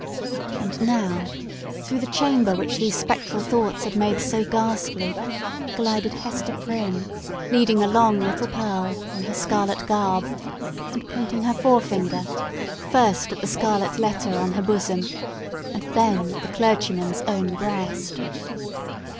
And now, through the chamber which these spectral thoughts had made so ghastly, glided Hester Prynne leading along little Pearl, in her scarlet garb, and pointing her forefinger, first at the scarlet letter on her bosom, and then at the clergyman's own breast.